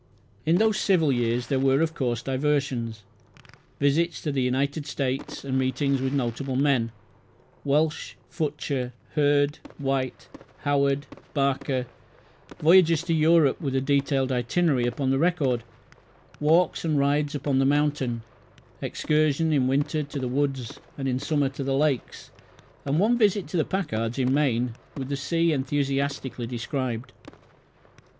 In those civil years there were, of course, diversions: visits to the United States and meetings with notable men Welch, Futcher, Hurd, White, Howard, Barker: voyages to Europe with a detailed itinerary upon the record; walks and rides upon the mountain; excursion in winter to the woods, and in summer to the lakes; and one visit to the Packards in Maine, with the sea enthusiastically described.